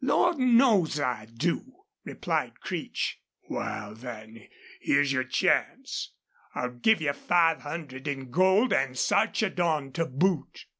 "Lord knows, I do," replied Creech. "Wal, then, here's your chance. I'll give you five hundred in gold an' Sarchedon to boot."